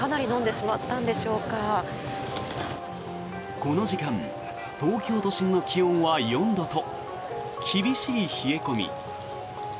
この時間東京都心の気温は４度と厳しい冷え込み。